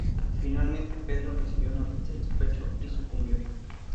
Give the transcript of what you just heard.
Finalmente, Pedro recibió una lanza en su pecho y sucumbió.